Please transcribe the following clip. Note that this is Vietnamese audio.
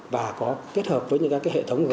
và có kết hợp với những cái hệ thống